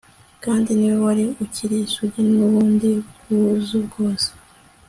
kandi ninde wari ukiri isugi yubundi bwuzu bwose